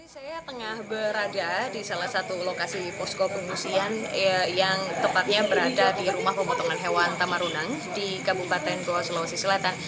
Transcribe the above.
saya tengah berada di salah satu lokasi posko pengungsian yang tepatnya berada di rumah pemotongan hewan tamarunang di kabupaten goa sulawesi selatan